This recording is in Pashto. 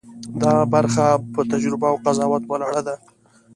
دا برخه په تجربه او قضاوت ولاړه ده.